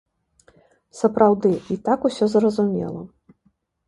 Сапраўды, і так усё зразумела.